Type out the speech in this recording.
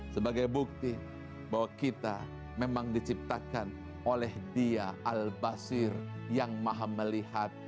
sebagai bukti bahwa kita memang diciptakan oleh dia al basir yang maha melihat